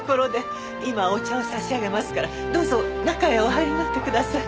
今お茶を差し上げますからどうぞ中へお入りになってください。